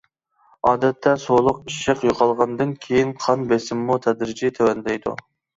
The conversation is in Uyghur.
ئادەتتە سۇلۇق ئىششىق يوقالغاندىن كېيىن قان بېسىمىمۇ تەدرىجىي تۆۋەنلەيدۇ.